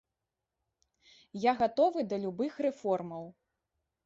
Я гатовы да любых рэформаў.